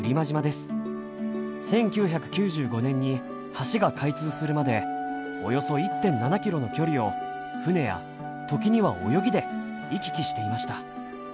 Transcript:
１９９５年に橋が開通するまでおよそ１．７キロの距離を船や時には泳ぎで行き来していました。